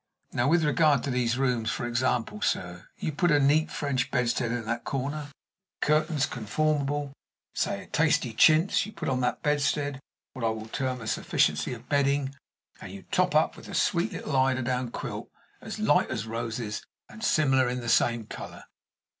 Now, with regard to these rooms, for example, sir you put a neat French bedstead in that corner, with curtains conformable say a tasty chintz; you put on that bedstead what I will term a sufficiency of bedding; and you top up with a sweet little eider down quilt, as light as roses, and similar the same in color.